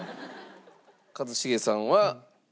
一茂さんは。